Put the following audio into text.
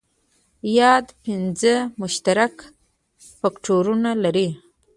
یاد پنځه مشترک فکټورونه لري.